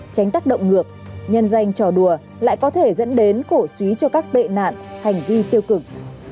tránh tác động ngược nhân danh trò đùa lại có thể dẫn đến cổ suý cho các tệ nạn hành vi tiêu cực